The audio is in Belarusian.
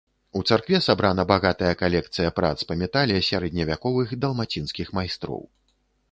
У царкве сабрана багатая калекцыя прац па метале сярэдневяковых далмацінскіх майстроў.